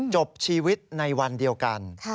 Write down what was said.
จบชีวิตในวันเดียวกัน